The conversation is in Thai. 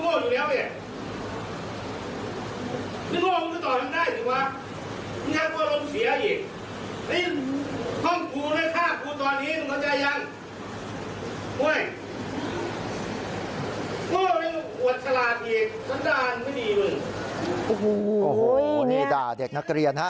โอ้โหโอ้โหนี่ด่าเด็กนักเรียนครับ